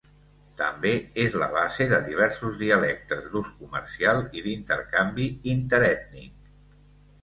També és la base de diversos dialectes d'ús comercial i d'intercanvi interètnic.